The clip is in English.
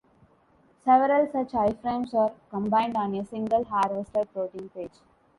Several such iframes are combined on a single Harvester protein page.